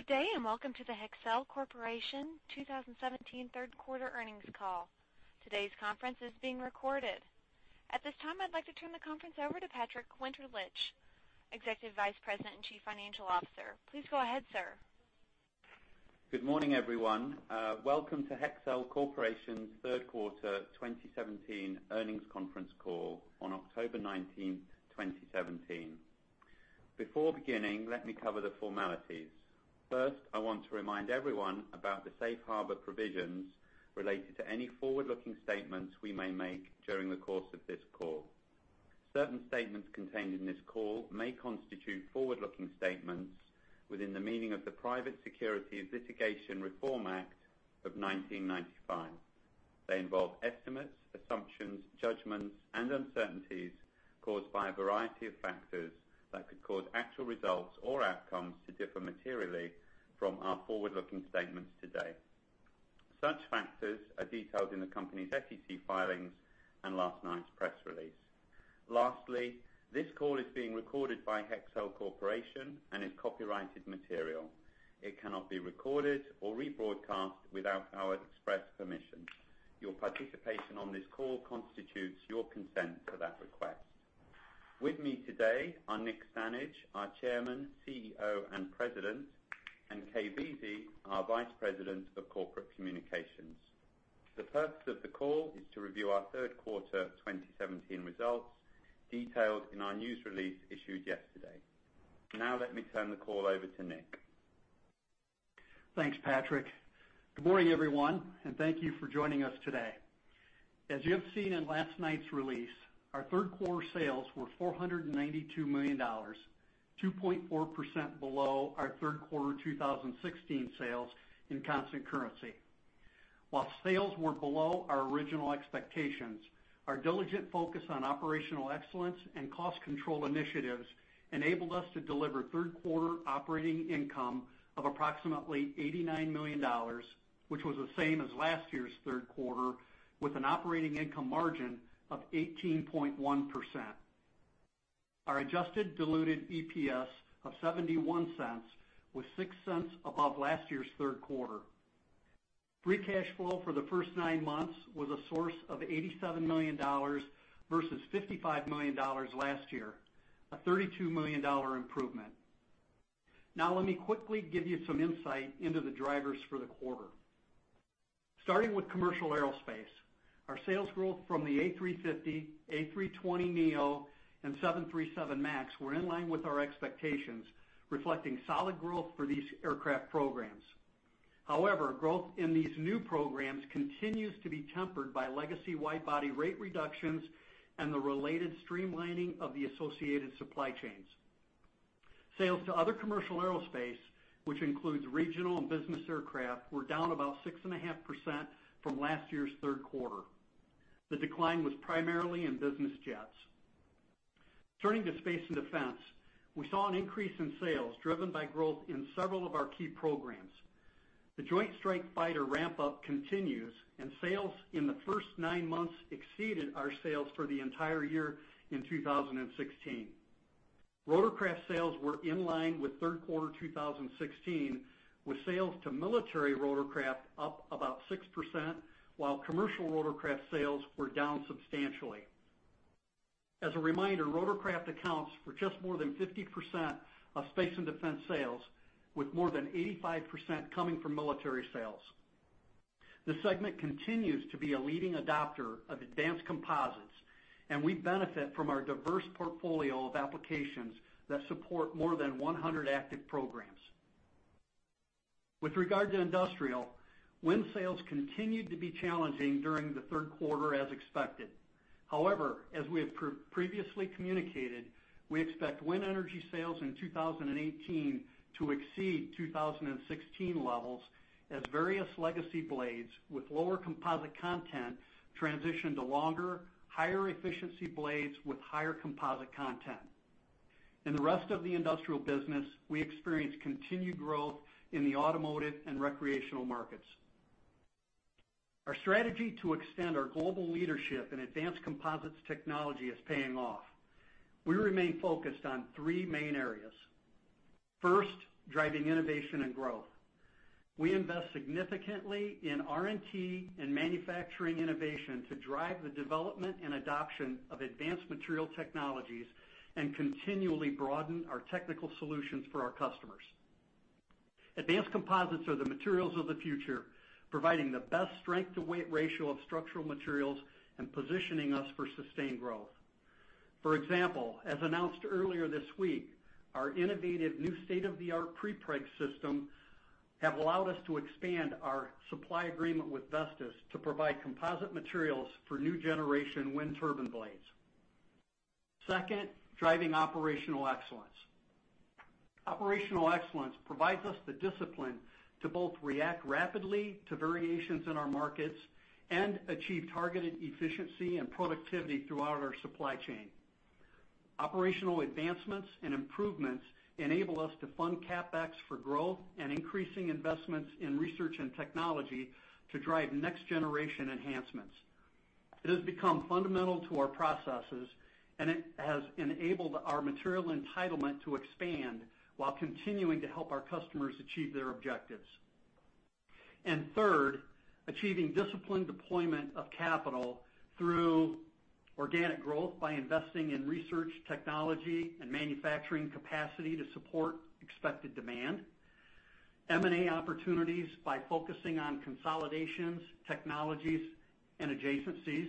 Good day, and welcome to the Hexcel Corporation 2017 third quarter earnings call. Today's conference is being recorded. At this time, I'd like to turn the conference over to Patrick Winterlich, Executive Vice President and Chief Financial Officer. Please go ahead, sir. Good morning, everyone. Welcome to Hexcel Corporation's third quarter 2017 earnings conference call on October 19th, 2017. Before beginning, let me cover the formalities. First, I want to remind everyone about the safe harbor provisions related to any forward-looking statements we may make during the course of this call. Certain statements contained in this call may constitute forward-looking statements within the meaning of the Private Securities Litigation Reform Act of 1995. They involve estimates, assumptions, judgments, and uncertainties caused by a variety of factors that could cause actual results or outcomes to differ materially from our forward-looking statements today. Such factors are detailed in the company's SEC filings and last night's press release. Lastly, this call is being recorded by Hexcel Corporation and is copyrighted material. It cannot be recorded or rebroadcast without our express permission. Your participation on this call constitutes your consent for that request. With me today are Nick Stanage, our Chairman, CEO, and President, and Kaye Veazey, our Vice President of Corporate Communications. The purpose of the call is to review our third quarter 2017 results, detailed in our news release issued yesterday. Let me turn the call over to Nick. Thanks, Patrick. Good morning, everyone, and thank you for joining us today. As you have seen in last night's release, our third quarter sales were $492 million, 2.4% below our third quarter 2016 sales in constant currency. While sales were below our original expectations, our diligent focus on operational excellence and cost control initiatives enabled us to deliver third quarter operating income of approximately $89 million, which was the same as last year's third quarter, with an operating income margin of 18.1%. Our adjusted diluted EPS of $0.71 was $0.06 above last year's third quarter. Free cash flow for the first nine months was a source of $87 million versus $55 million last year, a $32 million improvement. Let me quickly give you some insight into the drivers for the quarter. Starting with commercial aerospace, our sales growth from the A350, A320neo, and 737 MAX were in line with our expectations, reflecting solid growth for these aircraft programs. Growth in these new programs continues to be tempered by legacy wide-body rate reductions and the related streamlining of the associated supply chains. Sales to other commercial aerospace, which includes regional and business aircraft, were down about 6.5% from last year's third quarter. The decline was primarily in business jets. Turning to space and defense, we saw an increase in sales driven by growth in several of our key programs. The Joint Strike Fighter ramp-up continues, sales in the first nine months exceeded our sales for the entire year in 2016. Rotorcraft sales were in line with third quarter 2016, with sales to military rotorcraft up about 6%, while commercial rotorcraft sales were down substantially. As a reminder, rotorcraft accounts for just more than 50% of space and defense sales, with more than 85% coming from military sales. This segment continues to be a leading adopter of advanced composites, we benefit from our diverse portfolio of applications that support more than 100 active programs. With regard to industrial, wind sales continued to be challenging during the third quarter as expected. As we have previously communicated, we expect wind energy sales in 2018 to exceed 2016 levels as various legacy blades with lower composite content transition to longer, higher efficiency blades with higher composite content. In the rest of the industrial business, we experienced continued growth in the automotive and recreational markets. Our strategy to extend our global leadership in advanced composites technology is paying off. We remain focused on three main areas. First, driving innovation and growth. We invest significantly in R&T and manufacturing innovation to drive the development and adoption of advanced material technologies continually broaden our technical solutions for our customers. Advanced composites are the materials of the future, providing the best strength-to-weight ratio of structural materials and positioning us for sustained growth. For example, as announced earlier this week, our innovative new state-of-the-art prepreg system have allowed us to expand our supply agreement with Vestas to provide composite materials for new generation wind turbine blades. Second, driving operational excellence. Operational excellence provides us the discipline to both react rapidly to variations in our markets and achieve targeted efficiency and productivity throughout our supply chain. Operational advancements and improvements enable us to fund CapEx for growth increasing investments in research and technology to drive next-generation enhancements. It has become fundamental to our processes, it has enabled our material entitlement to expand while continuing to help our customers achieve their objectives. Third, achieving disciplined deployment of capital through organic growth by investing in research, technology and manufacturing capacity to support expected demand, M&A opportunities by focusing on consolidations, technologies and adjacencies,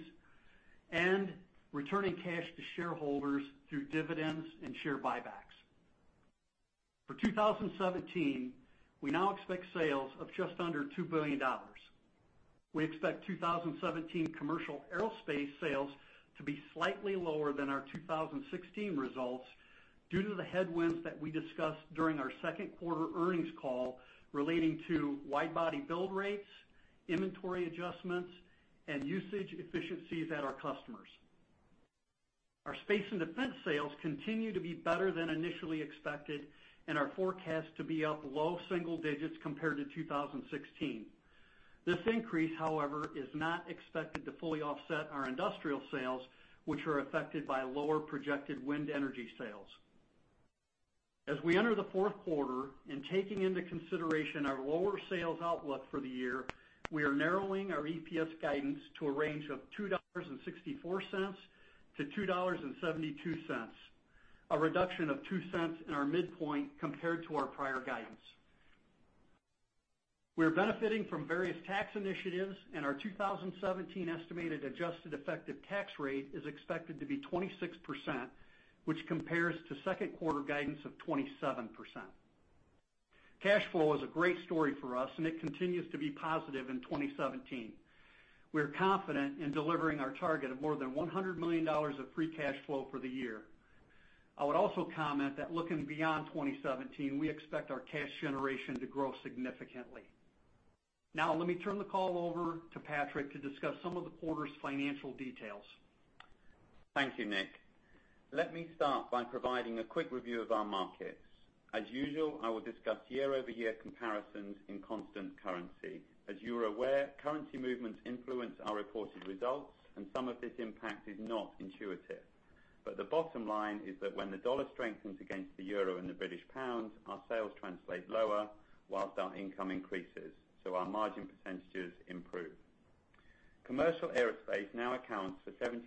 returning cash to shareholders through dividends and share buybacks. For 2017, we now expect sales of just under $2 billion. We expect 2017 commercial aerospace sales to be slightly lower than our 2016 results due to the headwinds that we discussed during our second quarter earnings call, relating to wide-body build rates, inventory adjustments and usage efficiencies at our customers. Our space and defense sales continue to be better than initially expected are forecast to be up low single digits compared to 2016. This increase, however, is not expected to fully offset our industrial sales, which are affected by lower projected wind energy sales. As we enter the fourth quarter and taking into consideration our lower sales outlook for the year, we are narrowing our EPS guidance to a range of $2.64 to $2.72, a reduction of $0.02 in our midpoint compared to our prior guidance. We are benefiting from various tax initiatives, and our 2017 estimated adjusted effective tax rate is expected to be 26%, which compares to second quarter guidance of 27%. Cash flow is a great story for us, and it continues to be positive in 2017. We are confident in delivering our target of more than $100 million of free cash flow for the year. I would also comment that looking beyond 2017, we expect our cash generation to grow significantly. Let me turn the call over to Patrick to discuss some of the quarter's financial details. Thank you, Nick. Let me start by providing a quick review of our markets. As usual, I will discuss year-over-year comparisons in constant currency. As you are aware, currency movements influence our reported results, and some of this impact is not intuitive. The bottom line is that when the dollar strengthens against the euro and the British pound, our sales translate lower whilst our income increases, so our margin percentages improve. Commercial aerospace now accounts for 72%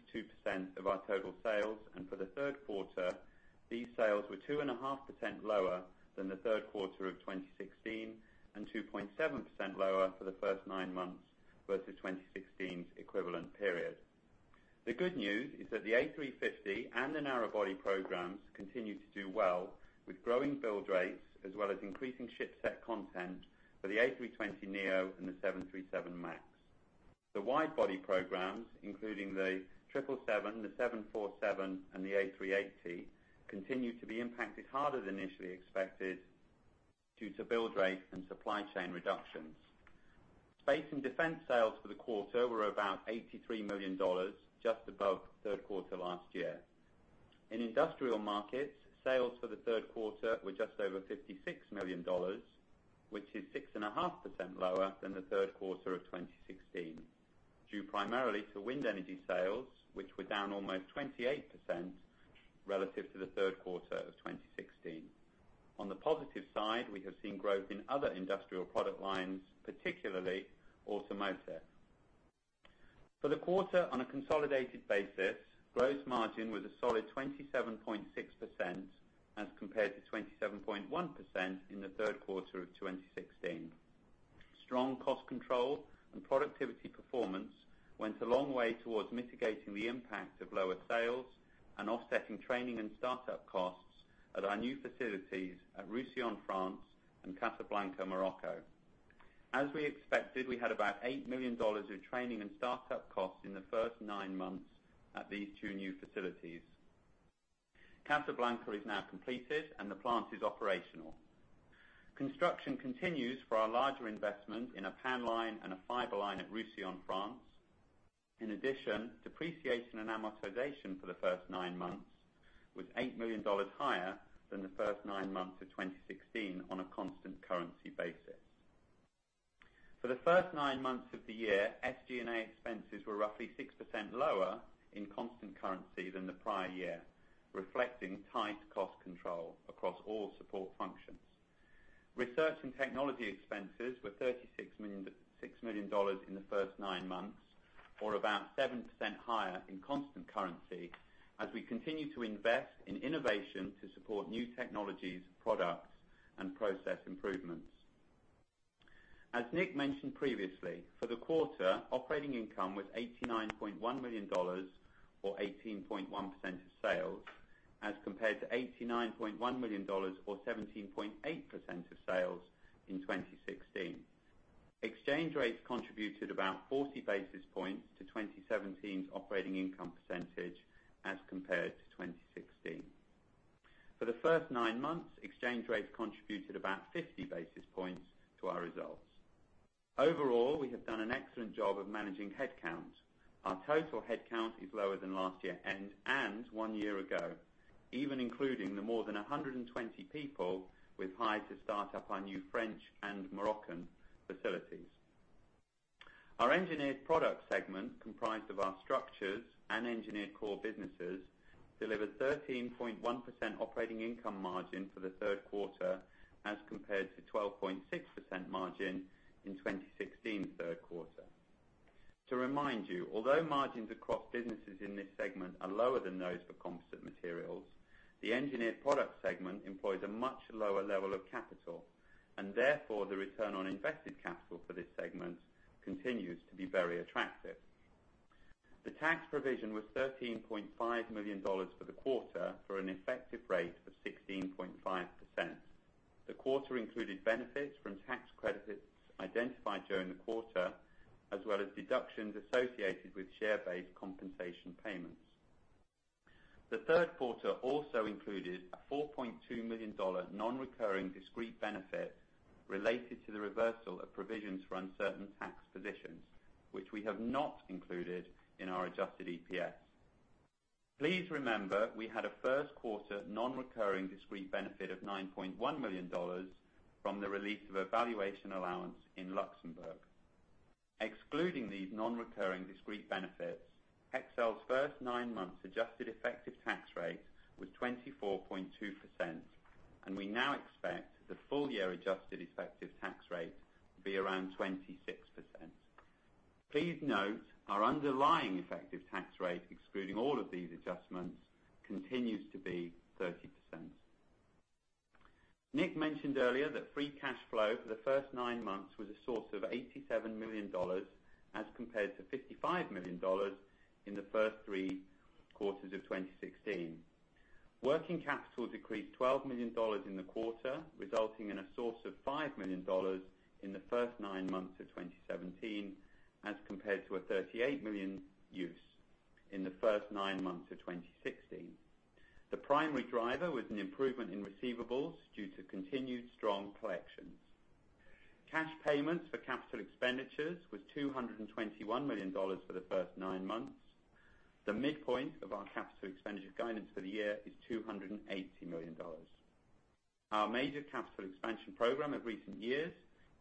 of our total sales, and for the third quarter, these sales were 2.5% lower than the third quarter of 2016 and 2.7% lower for the first nine months versus 2016's equivalent period. The good news is that the A350 and the narrow body programs continue to do well with growing build rates, as well as increasing ship set content for the A320neo and the 737 MAX. The wide-body programs, including the 777, the 747, and the A380, continue to be impacted harder than initially expected due to build rates and supply chain reductions. Space and defense sales for the quarter were about $83 million, just above third quarter last year. In industrial markets, sales for the third quarter were just over $56 million, which is 6.5% lower than the third quarter of 2016, due primarily to wind energy sales, which were down almost 28% relative to the third quarter of 2016. On the positive side, we have seen growth in other industrial product lines, particularly automotive. For the quarter, on a consolidated basis, gross margin was a solid 27.6% as compared to 27.1% in the third quarter of 2016. Strong cost control and productivity performance went a long way towards mitigating the impact of lower sales and offsetting training and startup costs at our new facilities at Roussillon, France and Casablanca, Morocco. As we expected, we had about $8 million of training and startup costs in the first nine months at these two new facilities. Casablanca is now completed, and the plant is operational. Construction continues for our larger investment in a PAN line and a fiber line at Roussillon, France. In addition, depreciation and amortization for the first nine months was $8 million higher than the first nine months of 2016 on a constant currency basis. For the first nine months of the year, SG&A expenses were roughly 6% lower in constant currency than the prior year, reflecting tight cost control across all support functions. Research and technology expenses were $36 million in the first nine months, or about 7% higher in constant currency as we continue to invest in innovation to support new technologies, products, and process improvements. As Nick mentioned previously, for the quarter, operating income was $89.1 million or 18.1% of sales as compared to $89.1 million or 17.8% of sales in 2016. Exchange rates contributed about 40 basis points to 2017's operating income percentage as compared to 2016. For the first nine months, exchange rates contributed about 50 basis points to our results. Overall, we have done an excellent job of managing headcount. Our total headcount is lower than last year end and one year ago. Even including the more than 120 people we've hired to start up our new French and Moroccan facilities. Our Engineered Products segment, comprised of our structures and engineered core businesses, delivered 13.1% operating income margin for the third quarter as compared to 12.6% margin in 2016 third quarter. To remind you, although margins across businesses in this segment are lower than those for composite materials, the Engineered Products segment employs a much lower level of capital, and therefore, the return on invested capital for this segment continues to be very attractive. The tax provision was $13.5 million for the quarter for an effective rate of 16.5%. The quarter included benefits from tax credits identified during the quarter, as well as deductions associated with share-based compensation payments. The third quarter also included a $4.2 million non-recurring discrete benefit related to the reversal of provisions for uncertain tax positions, which we have not included in our adjusted EPS. Please remember, we had a first quarter non-recurring discrete benefit of $9.1 million from the release of a valuation allowance in Luxembourg. Excluding these non-recurring discrete benefits, Hexcel's first nine months adjusted effective tax rate was 24.2%, and we now expect the full-year adjusted effective tax rate to be around 26%. Please note our underlying effective tax rate, excluding all of these adjustments, continues to be 30%. Nick mentioned earlier that free cash flow for the first nine months was a source of $87 million as compared to $55 million in the first three quarters of 2016. Working capital decreased $12 million in the quarter, resulting in a source of $5 million in the first nine months of 2017, as compared to a $38 million use in the first nine months of 2016. The primary driver was an improvement in receivables due to continued strong collections. Cash payments for capital expenditures was $221 million for the first nine months. The midpoint of our capital expenditure guidance for the year is $280 million. Our major capital expansion program of recent years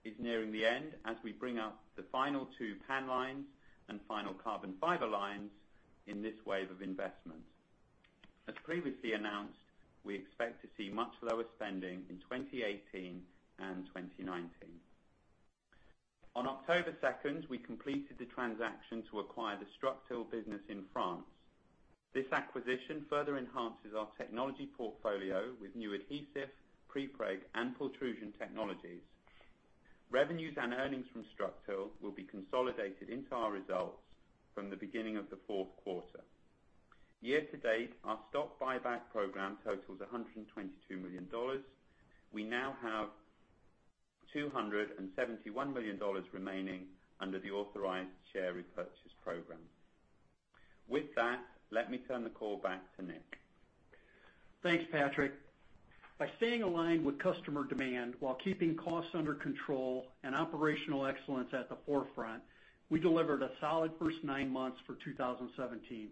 is nearing the end as we bring up the final two PAN lines and final carbon fiber lines in this wave of investment. As previously announced, we expect to see much lower spending in 2018 and 2019. On October 2nd, we completed the transaction to acquire the Structil business in France. This acquisition further enhances our technology portfolio with new adhesive, prepreg, and pultrusion technologies. Revenues and earnings from Structil will be consolidated into our results from the beginning of the fourth quarter. Year to date, our stock buyback program totals $122 million. We now have $271 million remaining under the authorized share repurchase program. With that, let me turn the call back to Nick. Thanks, Patrick. By staying aligned with customer demand while keeping costs under control and operational excellence at the forefront, we delivered a solid first nine months for 2017.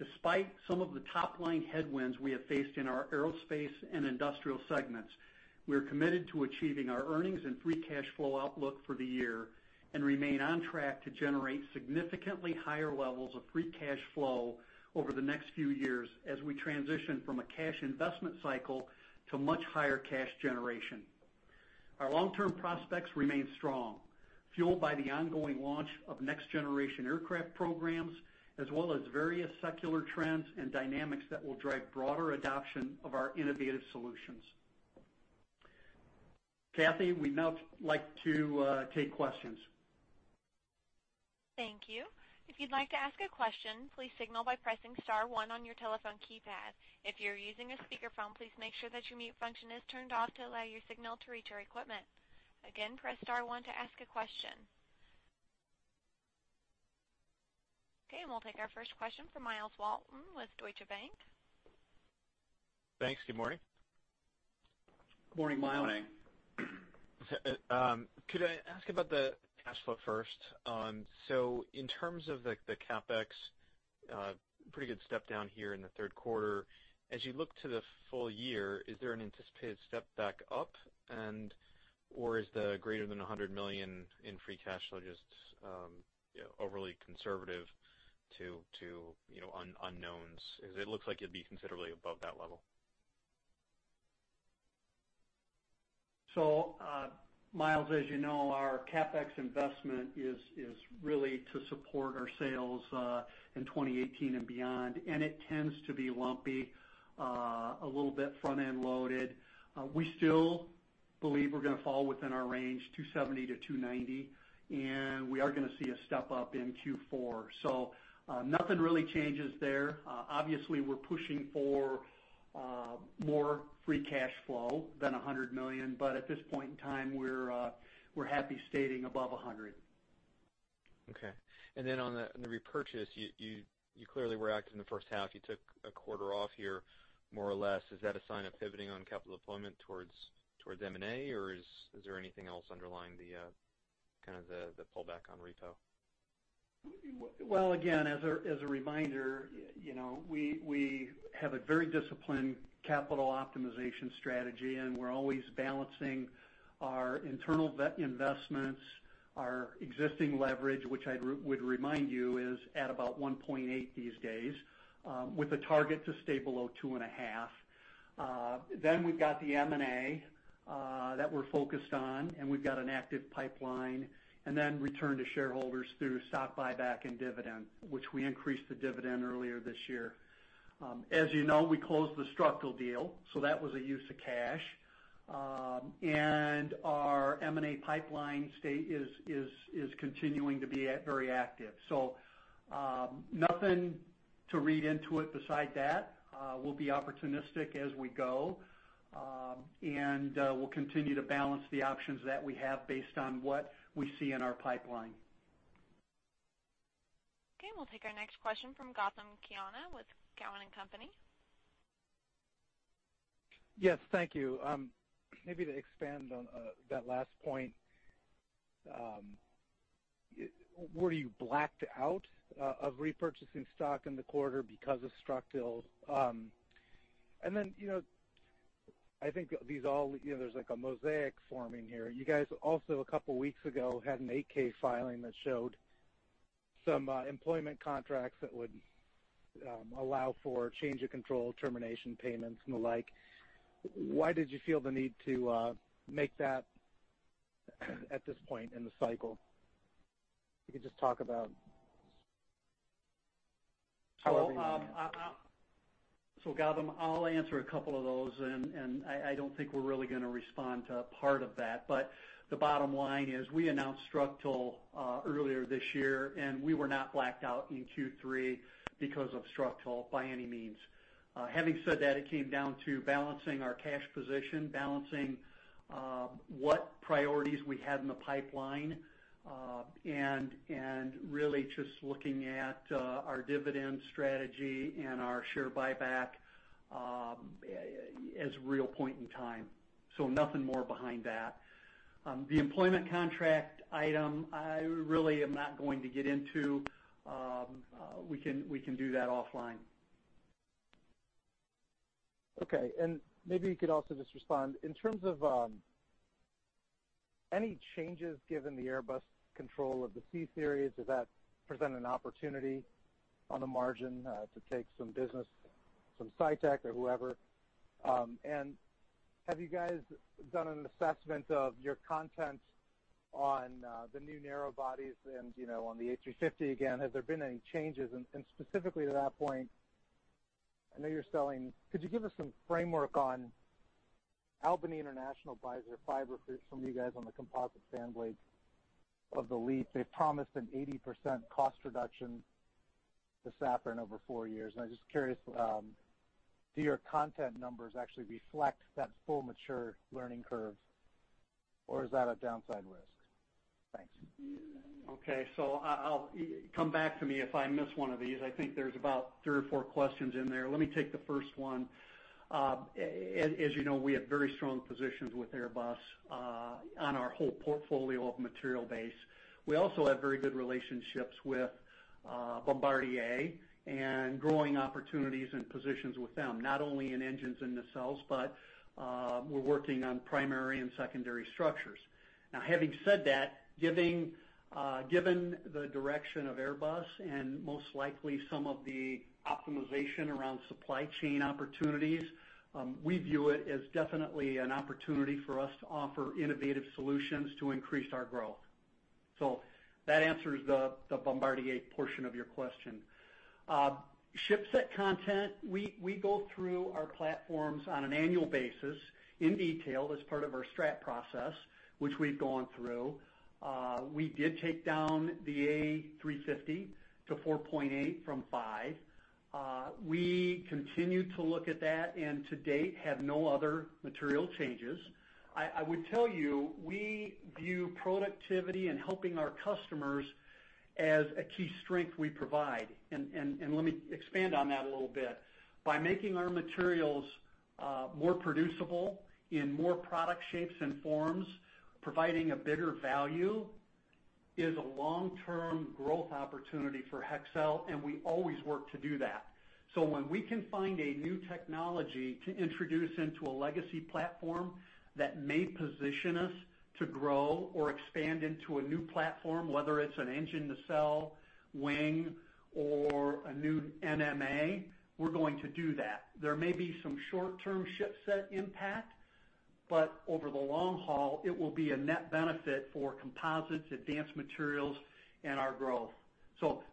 Despite some of the top-line headwinds we have faced in our aerospace and industrial segments, we are committed to achieving our earnings and free cash flow outlook for the year, and remain on track to generate significantly higher levels of free cash flow over the next few years as we transition from a cash investment cycle to much higher cash generation. Our long-term prospects remain strong, fueled by the ongoing launch of next-generation aircraft programs, as well as various secular trends and dynamics that will drive broader adoption of our innovative solutions. Operator, we'd now like to take questions. Thank you. If you'd like to ask a question, please signal by pressing *1 on your telephone keypad. If you're using a speakerphone, please make sure that your mute function is turned off to allow your signal to reach our equipment. Again, press *1 to ask a question. Okay. We'll take our first question from Myles Walton with Deutsche Bank. Thanks. Good morning. Good morning, Myles. Good morning. Could I ask about the cash flow first? In terms of the CapEx, pretty good step down here in the third quarter. As you look to the full year, is there an anticipated step back up, or is the greater than $100 million in free cash flow just overly conservative to unknowns? It looks like it'd be considerably above that level. Myles, as you know, our CapEx investment is really to support our sales in 2018 and beyond. It tends to be lumpy, a little bit front-end loaded. We still believe we're going to fall within our range, $270 million-$290 million. We are going to see a step up in Q4. Nothing really changes there. Obviously, we're pushing for more free cash flow than $100 million, but at this point in time, we're happy stating above $100 million. Okay. On the repurchase, you clearly were active in the first half. You took a quarter off here, more or less. Is that a sign of pivoting on capital deployment towards M&A, or is there anything else underlying the pullback on repo? Well, again, as a reminder, we have a very disciplined capital optimization strategy. We're always balancing our internal investments, our existing leverage, which I would remind you is at about 1.8 these days, with a target to stay below two and a half. We've got the M&A that we're focused on, and we've got an active pipeline, and then return to shareholders through stock buyback and dividend, which we increased the dividend earlier this year. As you know, we closed the Structil deal, so that was a use of cash. Our M&A pipeline state is continuing to be very active. Nothing to read into it beside that. We'll be opportunistic as we go. We'll continue to balance the options that we have based on what we see in our pipeline. Okay. We'll take our next question from Gautam Khanna with Cowen and Company. Yes, thank you. Maybe to expand on that last point. Were you blacked out of repurchasing stock in the quarter because of Structil? I think there's like a mosaic forming here. You guys also, a couple of weeks ago, had an 8-K filing that showed some employment contracts that would allow for change of control, termination payments, and the like. Why did you feel the need to make that at this point in the cycle? You could just talk about how everything went. Gautam, I'll answer a couple of those, I don't think we're really going to respond to part of that. The bottom line is, we announced Structil earlier this year, we were not blacked out in Q3 because of Structil by any means. Having said that, it came down to balancing our cash position, balancing what priorities we had in the pipeline, and really just looking at our dividend strategy and our share buyback as a real point in time. Nothing more behind that. The employment contract item, I really am not going to get into. We can do that offline. Okay. Maybe you could also just respond. In terms of any changes given the Airbus control of the C-Series, does that present an opportunity on the margin to take some business from Cytec or whoever? Have you guys done an assessment of your content on the new narrow bodies and on the A350 again? Has there been any changes? Specifically to that point, I know you're selling. Could you give us some framework on Albany International buys their fiber from you guys on the composite fan blades of the LEAP. They've promised an 80% cost reduction to Safran over four years, I'm just curious, do your content numbers actually reflect that full mature learning curve, or is that a downside risk? Thanks. Okay. Come back to me if I miss one of these. I think there's about three or four questions in there. Let me take the first one. As you know, we have very strong positions with Airbus on our whole portfolio of material base. We also have very good relationships with Bombardier and growing opportunities and positions with them, not only in engines and nacelles, but we're working on primary and secondary structures. Having said that, given the direction of Airbus and most likely some of the optimization around supply chain opportunities, we view it as definitely an opportunity for us to offer innovative solutions to increase our growth. That answers the Bombardier portion of your question. Ship set content. We go through our platforms on an annual basis in detail as part of our strat process, which we've gone through. We did take down the A350 to 4.8 from five. We continue to look at that and to date have no other material changes. I would tell you, we view productivity and helping our customers as a key strength we provide. Let me expand on that a little bit. By making our materials more producible in more product shapes and forms, providing a bigger value, is a long-term growth opportunity for Hexcel, and we always work to do that. When we can find a new technology to introduce into a legacy platform that may position us to grow or expand into a new platform, whether it's an engine, nacelle, wing, or a new NMA, we're going to do that. There may be some short-term ship set impact, over the long haul, it will be a net benefit for composites, advanced materials, and our growth.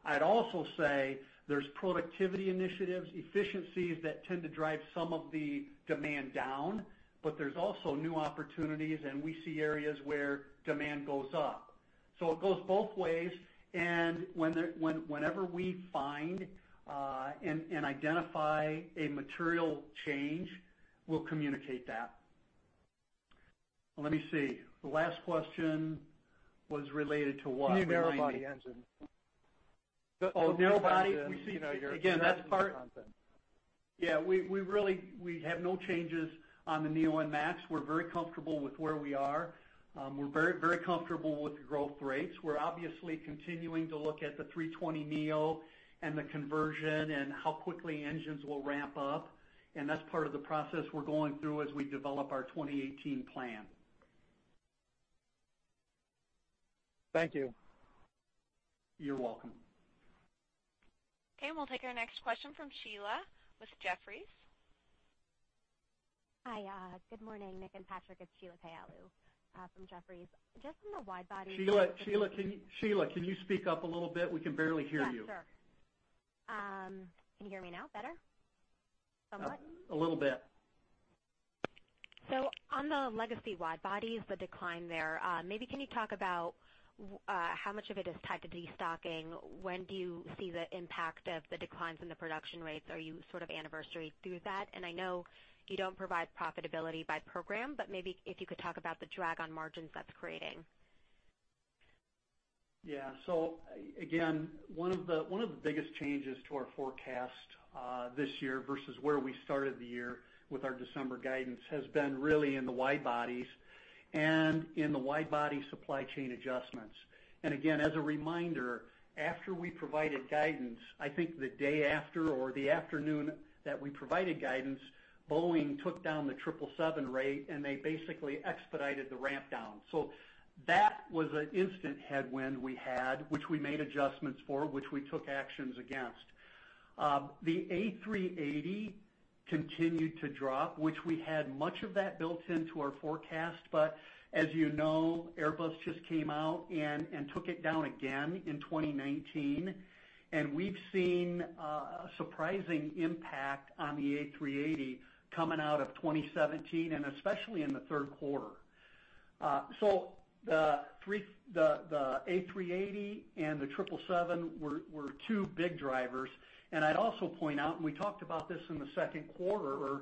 I'd also say there's productivity initiatives, efficiencies that tend to drive some of the demand down, but there's also new opportunities, and we see areas where demand goes up. It goes both ways, and whenever we find and identify a material change, we'll communicate that. Let me see. The last question was related to what? Remind me. New narrow body engine. Oh, narrow body. Again, Yeah, we have no changes on the neo and MAX. We're very comfortable with where we are. We're very comfortable with the growth rates. We're obviously continuing to look at the A320neo and the conversion, and how quickly engines will ramp up. That's part of the process we're going through as we develop our 2018 plan. Thank you. You're welcome. Okay, we'll take our next question from Sheila with Jefferies. Hi, good morning, Nick and Patrick. It's Sheila Kahyaoglu from Jefferies. Just on the wide body. Sheila, can you speak up a little bit? We can barely hear you. Yeah, sure. Can you hear me now better, somewhat? A little bit. On the legacy wide bodies, the decline there, maybe can you talk about how much of it is tied to destocking? When do you see the impact of the declines in the production rates? Are you sort of anniversary through that? I know you don't provide profitability by program, but maybe if you could talk about the drag on margins that's creating. Yeah. Again, one of the biggest changes to our forecast this year versus where we started the year with our December guidance, has been really in the wide bodies and in the wide body supply chain adjustments. Again, as a reminder, after we provided guidance, I think the day after or the afternoon that we provided guidance, Boeing took down the 777 rate, and they basically expedited the ramp down. That was an instant headwind we had, which we made adjustments for, which we took actions against. The A380 continued to drop, which we had much of that built into our forecast. As you know, Airbus just came out and took it down again in 2019, and we've seen a surprising impact on the A380 coming out of 2017, and especially in the third quarter. The A380 and the 777 were two big drivers. I'd also point out, and we talked about this in the second quarter,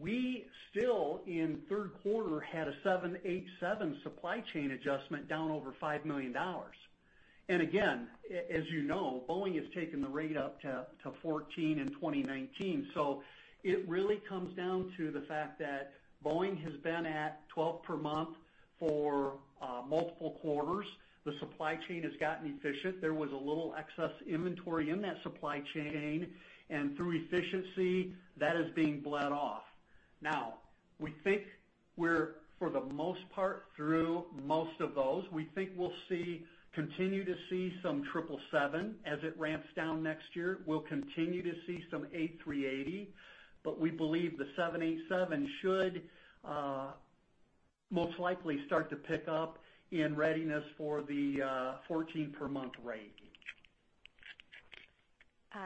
we still in third quarter had a 787 supply chain adjustment down over $5 million. Again, as you know, Boeing has taken the rate up to 14 in 2019. It really comes down to the fact that Boeing has been at 12 per month for multiple quarters. The supply chain has gotten efficient. There was a little excess inventory in that supply chain, and through efficiency, that is being bled off. We think we're, for the most part, through most of those. We think we'll continue to see some 777 as it ramps down next year. We'll continue to see some A380, but we believe the 787 should most likely start to pick up in readiness for the 14 per month rate.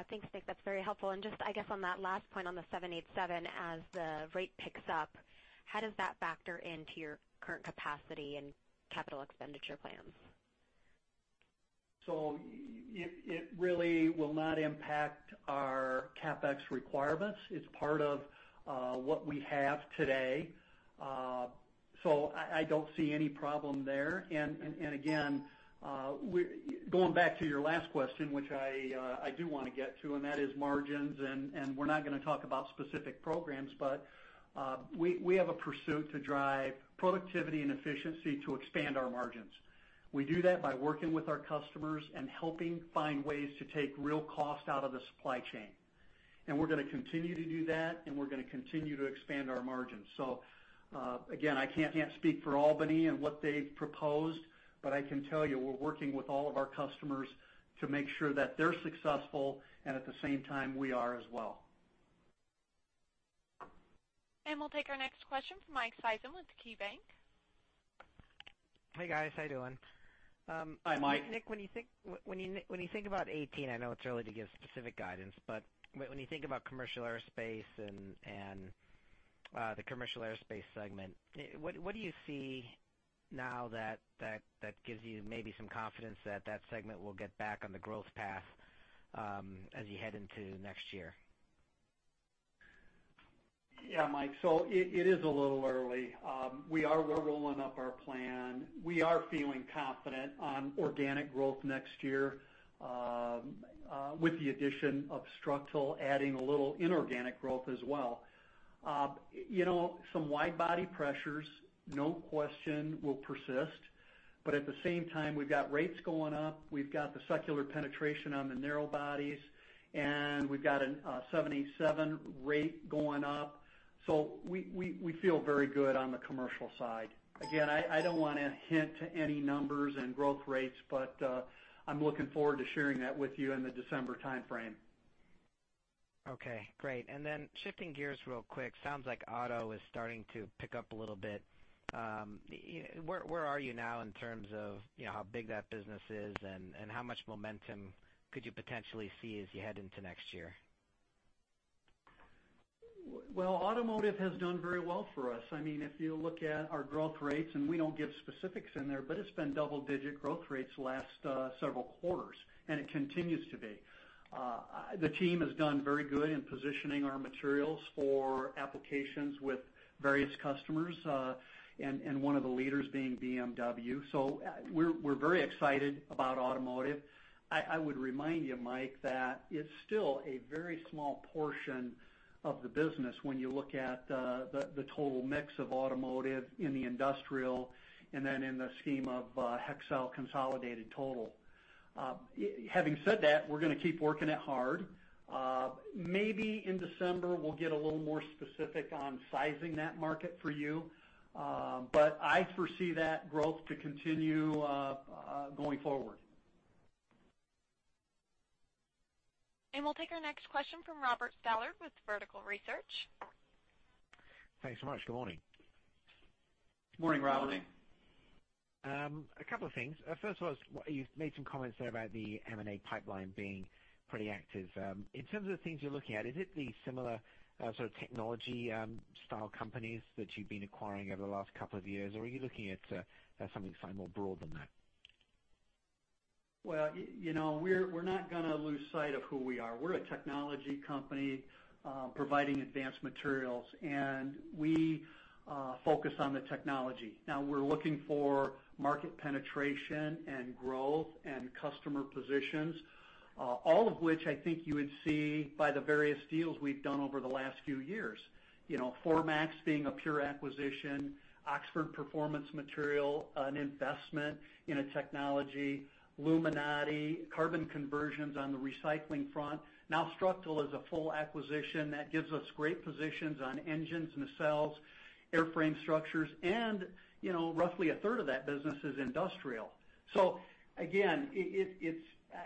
Thanks, Nick. That's very helpful. Just, I guess on that last point on the 787, as the rate picks up, how does that factor into your current capacity and capital expenditure plans? It really will not impact our CapEx requirements. It's part of what we have today. I don't see any problem there. Again, going back to your last question, which I do want to get to, and that is margins, we're not going to talk about specific programs, but we have a pursuit to drive productivity and efficiency to expand our margins. We do that by working with our customers and helping find ways to take real cost out of the supply chain. We're going to continue to do that, and we're going to continue to expand our margins. Again, I can't speak for Albany and what they've proposed, but I can tell you, we're working with all of our customers to make sure that they're successful and at the same time, we are as well. We'll take our next question from Michael Ciarmoli with KeyBanc. Hey, guys. How you doing? Hi, Mike. Nick, when you think about 2018, I know it's early to give specific guidance, when you think about commercial aerospace and the commercial aerospace segment, what do you see now that gives you maybe some confidence that segment will get back on the growth path as you head into next year? Yeah, Mike. It is a little early. We are rolling up our plan. We are feeling confident on organic growth next year, with the addition of Structil, adding a little inorganic growth as well. Some wide body pressures, no question, will persist, but at the same time, we've got rates going up, we've got the secular penetration on the narrow bodies, and we've got a 787 rate going up. We feel very good on the commercial side. Again, I don't want to hint to any numbers and growth rates, I'm looking forward to sharing that with you in the December timeframe. Okay, great. Then shifting gears real quick, sounds like auto is starting to pick up a little bit. Where are you now in terms of how big that business is, and how much momentum could you potentially see as you head into next year? Well, automotive has done very well for us. If you look at our growth rates, we don't give specifics in there, but it's been double-digit growth rates the last several quarters, and it continues to be. The team has done very good in positioning our materials for applications with various customers, One of the leaders being BMW. We're very excited about automotive. I would remind you, Mike, that it's still a very small portion of the business when you look at the total mix of automotive in the industrial, then in the scheme of Hexcel consolidated total. Having said that, we're going to keep working it hard. Maybe in December, we'll get a little more specific on sizing that market for you. I foresee that growth to continue going forward. We'll take our next question from Robert Stallard with Vertical Research. Thanks so much. Good morning. Morning, Robert. A couple of things. First was, you've made some comments there about the M&A pipeline being pretty active. In terms of the things you're looking at, is it the similar sort of technology style companies that you've been acquiring over the last couple of years, or are you looking at something more broad than that? Well, we're not going to lose sight of who we are. We're a technology company, providing advanced materials, and we focus on the technology. Now, we're looking for market penetration and growth and customer positions. All of which I think you would see by the various deals we've done over the last few years. Formax being a pure acquisition, Oxford Performance Materials, an investment in a technology, Luminati, Carbon Conversions on the recycling front. Now Structil is a full acquisition that gives us great positions on engines, nacelles, airframe structures, and roughly a third of that business is industrial. Again,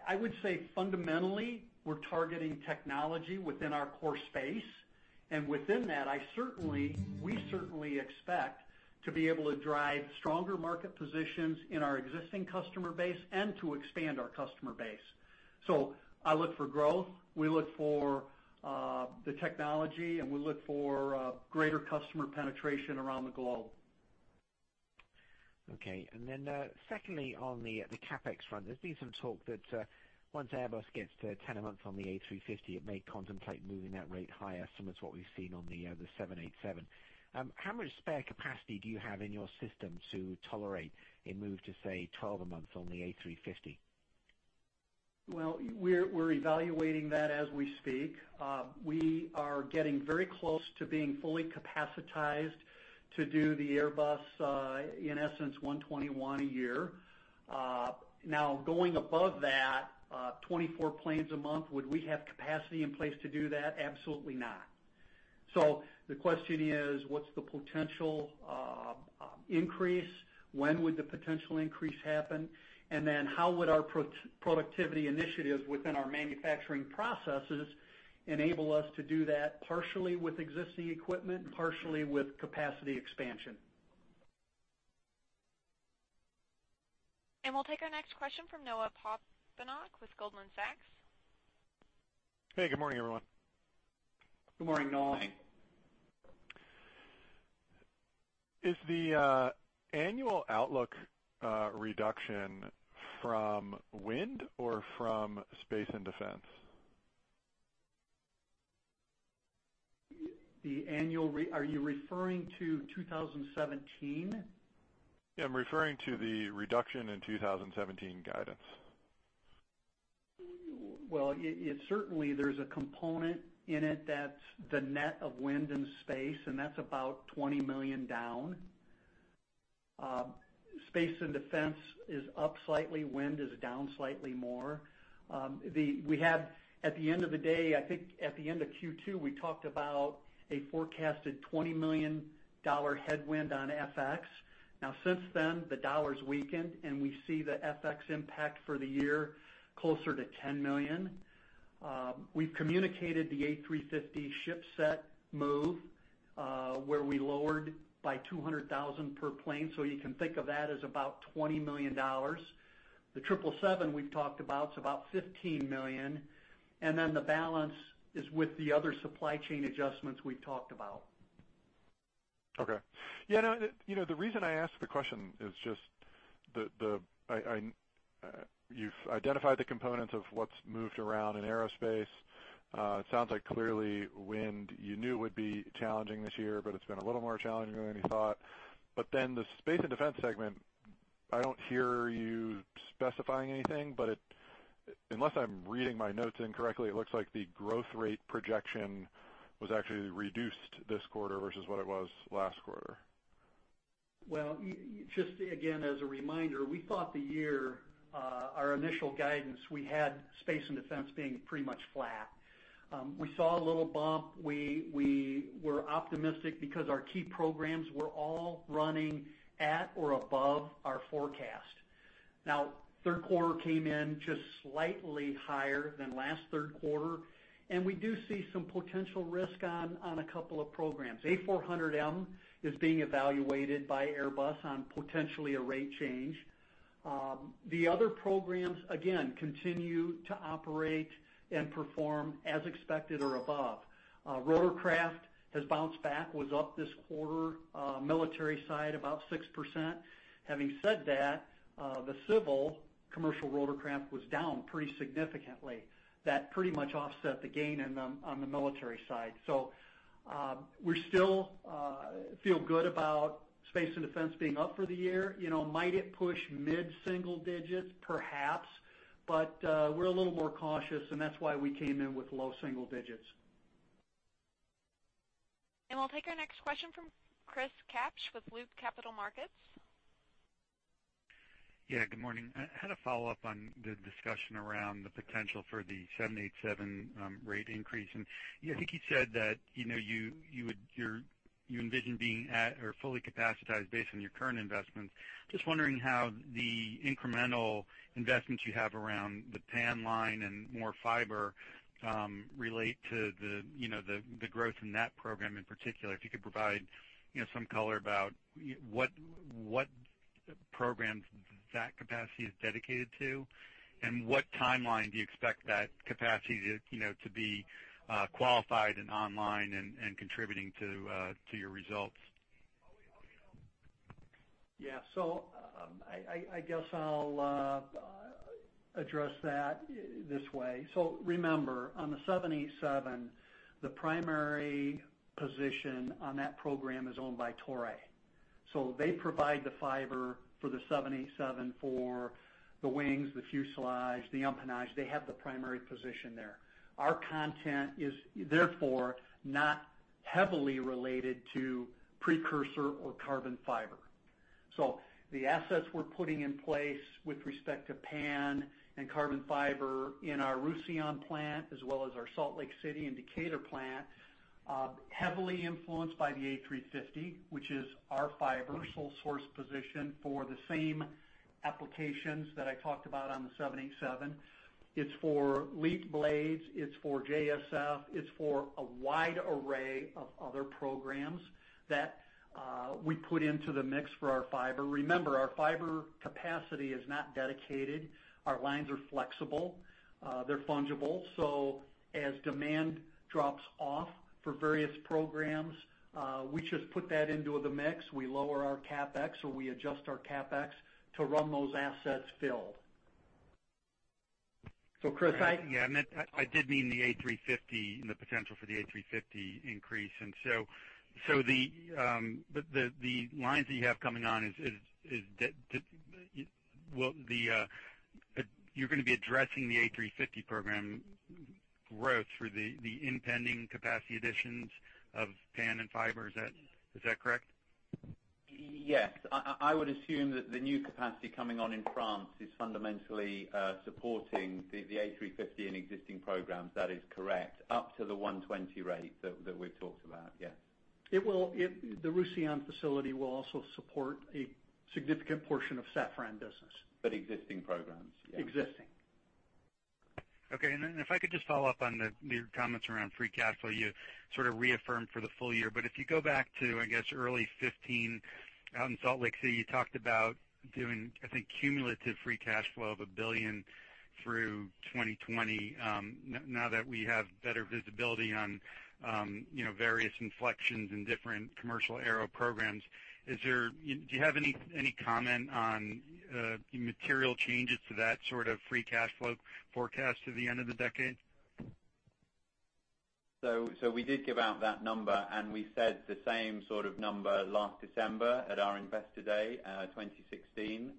I would say fundamentally, we're targeting technology within our core space, and within that, we certainly expect to be able to drive stronger market positions in our existing customer base and to expand our customer base. I look for growth, we look for the technology, and we look for greater customer penetration around the globe. Okay. Then, secondly, on the CapEx front, there's been some talk that once Airbus gets to 10 a month on the A350, it may contemplate moving that rate higher, similar to what we've seen on the 787. How much spare capacity do you have in your system to tolerate a move to, say, 12 a month on the A350? Well, we're evaluating that as we speak. We are getting very close to being fully capacitized to do the Airbus, in essence, 121 a year. Going above that, 24 planes a month, would we have capacity in place to do that? Absolutely not. The question is, what's the potential increase? When would the potential increase happen? Then how would our productivity initiatives within our manufacturing processes enable us to do that partially with existing equipment, partially with capacity expansion. We'll take our next question from Noah Poponak with Goldman Sachs. Hey, good morning, everyone. Good morning, Noah. Morning. Is the annual outlook reduction from wind or from space and defense? Are you referring to 2017? Yeah, I'm referring to the reduction in 2017 guidance. Well, certainly, there's a component in it that's the net of wind and space, and that's about $20 million down. Space and defense is up slightly. Wind is down slightly more. At the end of the day, I think at the end of Q2, we talked about a forecasted $20 million headwind on FX. Since then, the dollar's weakened, and we see the FX impact for the year closer to $10 million. We've communicated the A350 ship set move, where we lowered by $200,000 per plane. You can think of that as about $20 million. The 777 we've talked about is about $15 million. The balance is with the other supply chain adjustments we've talked about. Okay. The reason I ask the question is just, you've identified the components of what's moved around in aerospace. It sounds like clearly wind you knew would be challenging this year, but it's been a little more challenging than you thought. The space and defense segment, I don't hear you specifying anything, but unless I'm reading my notes incorrectly, it looks like the growth rate projection was actually reduced this quarter versus what it was last quarter. Well, just again, as a reminder, we thought the year, our initial guidance, we had space and defense being pretty much flat. We saw a little bump. We were optimistic because our key programs were all running at or above our forecast. Third quarter came in just slightly higher than last third quarter, and we do see some potential risk on a couple of programs. A400M is being evaluated by Airbus on potentially a rate change. The other programs, again, continue to operate and perform as expected or above. Rotorcraft has bounced back, was up this quarter, military side, about 6%. Having said that, the civil commercial rotorcraft was down pretty significantly. That pretty much offset the gain on the military side. We still feel good about space and defense being up for the year. Might it push mid-single digits? Perhaps, but we're a little more cautious, and that's why we came in with low-single digits. We'll take our next question from Chris Kapsch with Loop Capital Markets. Yeah, good morning. I had a follow-up on the discussion around the potential for the 787 rate increase. I think you said that you envision being at or fully capacitized based on your current investments. Just wondering how the incremental investments you have around the PAN line and more fiber, relate to the growth in that program in particular. If you could provide some color about what programs that capacity is dedicated to, and what timeline do you expect that capacity to be qualified and online and contributing to your results? Yeah. I guess I'll address that this way. Remember, on the 787, the primary position on that program is owned by Toray. They provide the fiber for the 787 for the wings, the fuselage, the empennage. They have the primary position there. Our content is therefore not heavily related to precursor or carbon fiber. The assets we're putting in place with respect to PAN and carbon fiber in our Roussillon plant, as well as our Salt Lake City and Decatur plant, are heavily influenced by the A350, which is our fiber sole source position for the same applications that I talked about on the 787. It's for LEAP blades, it's for JSF, it's for a wide array of other programs that we put into the mix for our fiber. Remember, our fiber capacity is not dedicated. Our lines are flexible. They're fungible. As demand drops off for various programs, we just put that into the mix. We lower our CapEx, or we adjust our CapEx to run those assets filled. Chris, Yeah, I did mean the A350 and the potential for the A350 increase. The lines that you have coming on, you're going to be addressing the A350 program growth through the impending capacity additions of PAN and fiber. Is that correct? Yes. I would assume that the new capacity coming on in France is fundamentally supporting the A350 and existing programs. That is correct, up to the 120 rate that we've talked about. Yes. The Roussillon facility will also support a significant portion of Safran business. Existing programs. Yeah. Existing. Okay. If I could just follow up on your comments around free cash flow, you sort of reaffirmed for the full year. If you go back to, I guess, early 2015, out in Salt Lake City, you talked about doing, I think, cumulative free cash flow of $1 billion through 2020. Now that we have better visibility on various inflections and different commercial aero programs, do you have any comment on material changes to that sort of free cash flow forecast to the end of the decade? We did give out that number, and we said the same sort of number last December at our Investor Day 2016.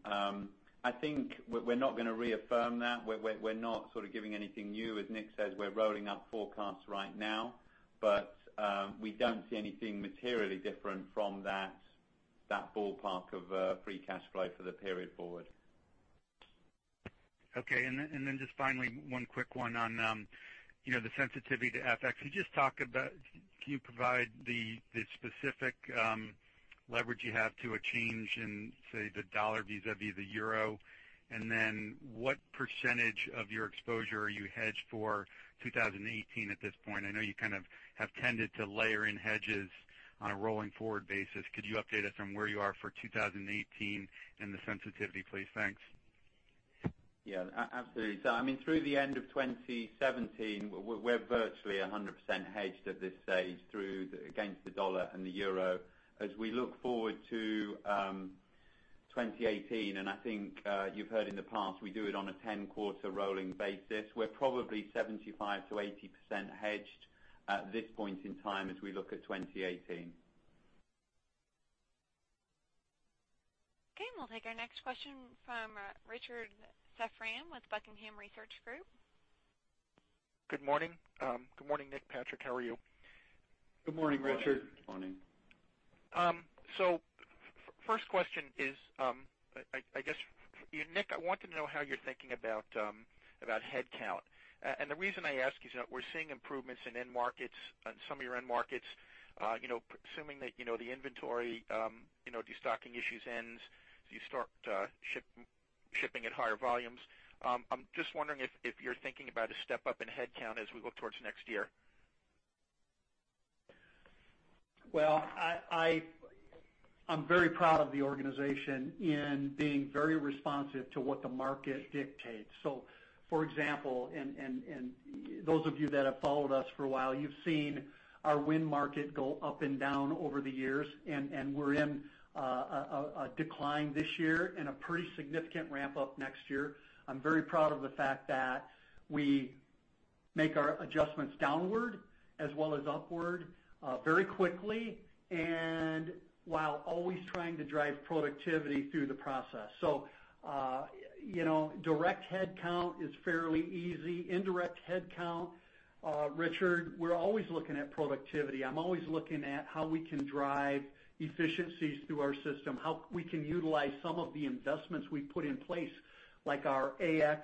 I think we're not going to reaffirm that. We're not giving anything new. As Nick says, we're rolling up forecasts right now. We don't see anything materially different from that ballpark of free cash flow for the period forward. Okay. Just finally, one quick one on the sensitivity to FX. Can you provide the specific leverage you have to a change in, say, the dollar vis-à-vis the euro? What % of your exposure are you hedged for 2018 at this point? I know you have tended to layer in hedges on a rolling forward basis. Could you update us on where you are for 2018 and the sensitivity, please? Thanks. Yeah, absolutely. Through the end of 2017, we're virtually 100% hedged at this stage against the dollar and the euro. As we look forward to 2018, and I think you've heard in the past, we do it on a 10-quarter rolling basis. We're probably 75%-80% hedged at this point in time as we look at 2018. Okay, we'll take our next question from Richard Safran with Buckingham Research Group. Good morning. Good morning, Nick, Patrick. How are you? Good morning, Richard. Morning. First question is, I guess, Nick, I wanted to know how you're thinking about headcount. The reason I ask is that we're seeing improvements in end markets, on some of your end markets. Assuming that the inventory, the stocking issues ends as you start shipping at higher volumes, I'm just wondering if you're thinking about a step up in headcount as we look towards next year. I'm very proud of the organization in being very responsive to what the market dictates. For example, and those of you that have followed us for a while, you've seen our wind market go up and down over the years, and we're in a decline this year and a pretty significant ramp-up next year. I'm very proud of the fact that we make our adjustments downward as well as upward very quickly, and while always trying to drive productivity through the process. Direct headcount is fairly easy. Indirect headcount, Richard, we're always looking at productivity. I'm always looking at how we can drive efficiencies through our system, how we can utilize some of the investments we've put in place, like our AX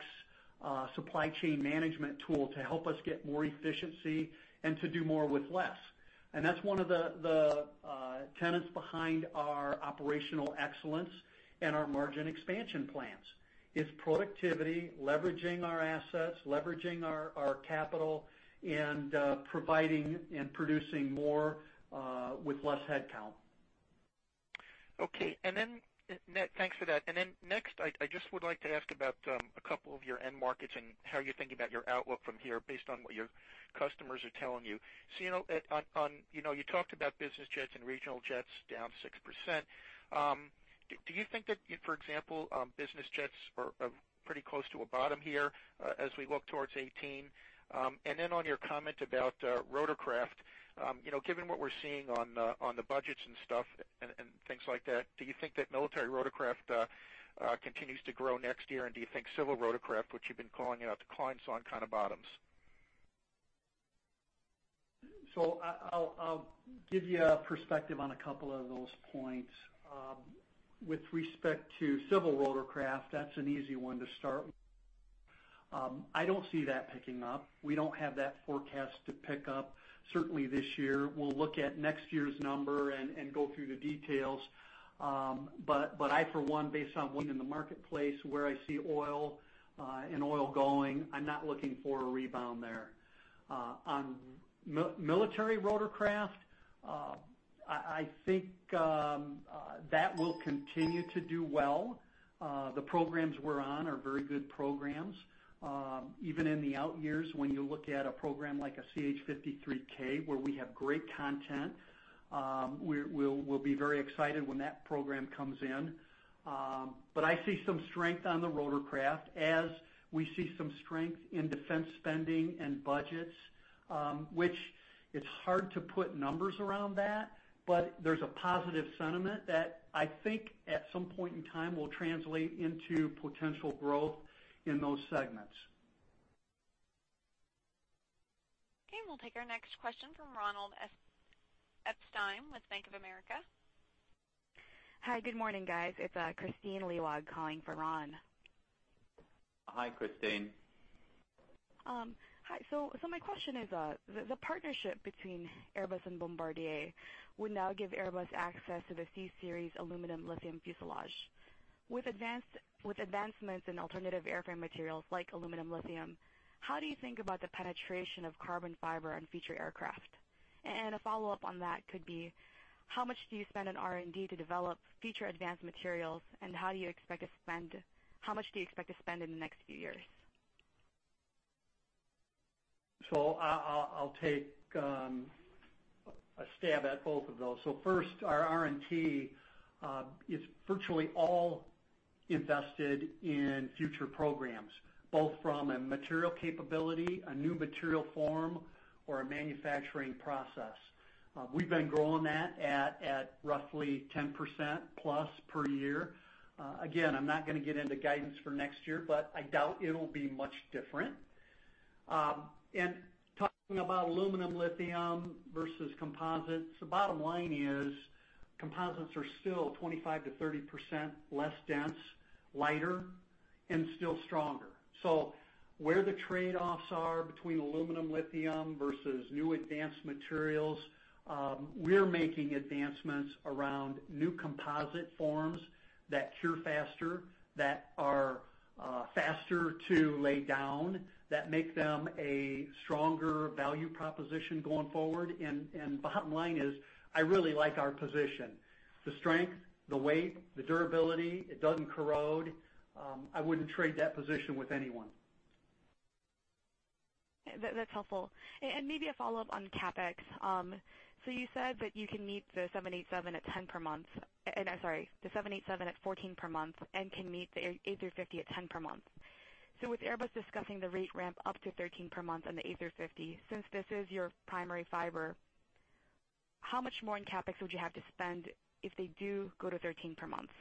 supply chain management tool, to help us get more efficiency and to do more with less. That's one of the tenets behind our operational excellence and our margin expansion plans. It's productivity, leveraging our assets, leveraging our capital, and providing and producing more with less headcount. Okay. Thanks for that. Next, I just would like to ask about a couple of your end markets and how you're thinking about your outlook from here based on what your customers are telling you. You talked about business jets and regional jets down 6%. Do you think that, for example, business jets are pretty close to a bottom here as we look towards 2018? On your comment about rotorcraft, given what we're seeing on the budgets and stuff and things like that, do you think that military rotorcraft continues to grow next year? Do you think civil rotorcraft, which you've been calling out to clients, on kind of bottoms? I'll give you a perspective on a couple of those points. With respect to civil rotorcraft, that's an easy one to start. I don't see that picking up. We don't have that forecast to pick up certainly this year. We'll look at next year's number and go through the details. I, for one, based on being in the marketplace, where I see oil and oil going, I'm not looking for a rebound there. On military rotorcraft, I think that will continue to do well. The programs we're on are very good programs. Even in the out years, when you look at a program like a CH-53K, where we have great content, we'll be very excited when that program comes in. I see some strength on the rotorcraft as we see some strength in defense spending and budgets, which it's hard to put numbers around that. There's a positive sentiment that I think at some point in time will translate into potential growth in those segments. We'll take our next question from Ronald Epstein with Bank of America. Hi, good morning, guys. It's Kristine Liwag calling for Ron. Hi, Kristine. Hi. My question is, the partnership between Airbus and Bombardier would now give Airbus access to the C-Series aluminum-lithium fuselage. With advancements in alternative airframe materials like aluminum-lithium, how do you think about the penetration of carbon fiber on future aircraft? A follow-up on that could be, how much do you spend on R&D to develop future advanced materials, and how much do you expect to spend in the next few years? I'll take a stab at both of those. First, our R&T is virtually all invested in future programs, both from a material capability, a new material form, or a manufacturing process. We've been growing that at roughly 10% plus per year. Again, I'm not going to get into guidance for next year, but I doubt it'll be much different. Talking about aluminum-lithium versus composites, the bottom line is composites are still 25%-30% less dense, lighter, and still stronger. Where the trade-offs are between aluminum-lithium versus new advanced materials, we're making advancements around new composite forms that cure faster, that are faster to lay down, that make them a stronger value proposition going forward. Bottom line is, I really like our position. The strength, the weight, the durability, it doesn't corrode. I wouldn't trade that position with anyone. That's helpful. Maybe a follow-up on CapEx. You said that you can meet the 787 at 14 per month and can meet the A350 at 10 per month. With Airbus discussing the rate ramp up to 13 per month on the A350, since this is your primary fiber, how much more in CapEx would you have to spend if they do go to 13 per month?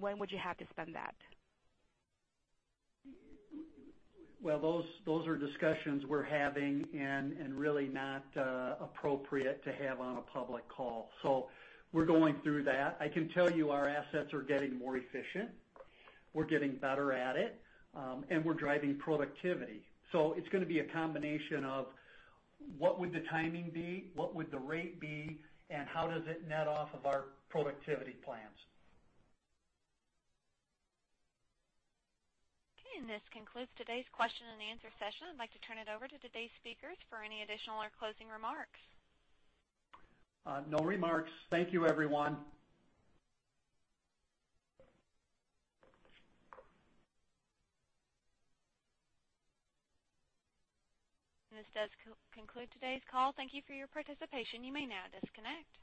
When would you have to spend that? Well, those are discussions we're having and really not appropriate to have on a public call. We're going through that. I can tell you our assets are getting more efficient. We're getting better at it. We're driving productivity. It's going to be a combination of what would the timing be, what would the rate be, and how does it net off of our productivity plans. Okay. This concludes today's question and answer session. I'd like to turn it over to today's speakers for any additional or closing remarks. No remarks. Thank you, everyone. This does conclude today's call. Thank you for your participation. You may now disconnect.